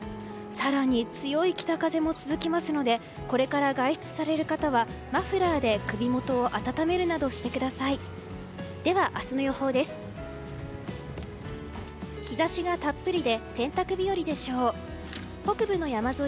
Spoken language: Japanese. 更に強い北風も続きますのでこれから外出される方はマフラーで首元を暖めるなどしてください。